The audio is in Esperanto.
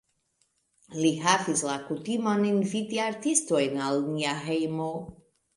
Li havis la kutimon inviti artistojn al nia hejmo.